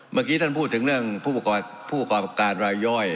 เมื่อกี้ท่านพูดถึงเรื่องผู้ประกอบการรายย่อย